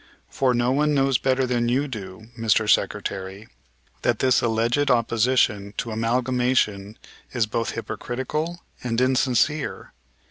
For no one knows better than you do, Mr. Secretary, that this alleged opposition to amalgamation is both hypocritical and insincere.